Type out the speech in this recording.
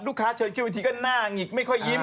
ลูกค้าเชิญคิดวิธีก็หน้าหงิกไม่ค่อยยิ้ม